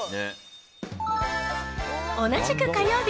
同じく火曜日。